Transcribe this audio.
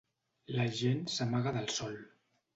La gent s’amaga del sol.